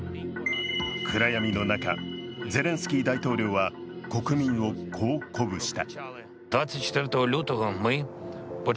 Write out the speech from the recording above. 暗闇の中、ゼレンスキー大統領は国民をこう鼓舞した。